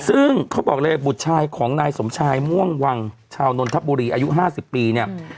ซึ่งเขาบอกเลยบุตรชายของนายสมชายม่วงวังชาวนนทบุรีอายุ๕๐ปีเนี่ย